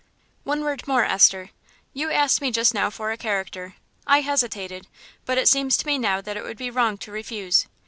"One word more, Esther. You asked me just now for a character; I hesitated, but it seems to me now that it would be wrong to refuse.